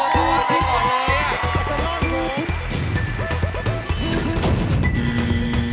ดูนี่ก่อนเลยอาสนนกรงค์